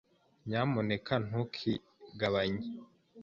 Nyamuneka ntukigabanye.